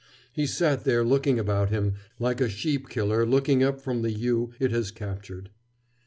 He sat there looking about him, like a sheep killer looking up from the ewe it has captured.